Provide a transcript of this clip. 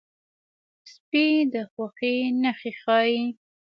سپي د خوښۍ نښې ښيي.